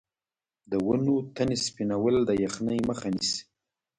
د ونو تنې سپینول د یخنۍ مخه نیسي؟